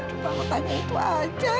cuma mau tanya itu aja